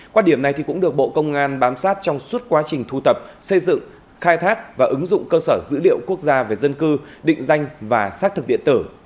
quan điểm này cũng được bộ công an bám sát trong suốt quá trình thu tập xây dựng khai thác và ứng dụng cơ sở dữ liệu quốc gia về dân cư định danh và xác thực điện tử